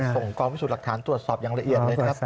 ส่งกรองวิสุทธิ์หลักฐานตรวจสอบอย่างละเอียดเลยครับ